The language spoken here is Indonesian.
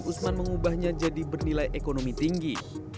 usman mengubahnya jadi bernilai ekonomi tinggi